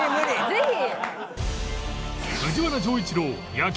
ぜひ。